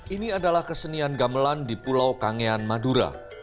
ini adalah kesenian gamelan di pulau kangean madura